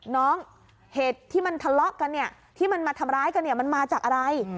น้องเหตุที่มันทะเลาะกันเนี่ยที่มันมาทำร้ายกันเนี่ยมันมาจากอะไร